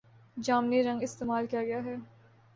جامنی رنگ استعمال کیا گیا ہے